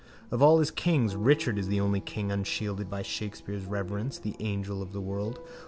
Of all his kings Richard is the only king unshielded by Shakespeare's reverence, the angel of the world.